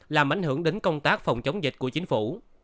làm ảnh hưởng đến công tác phòng chống dịch của chính phủ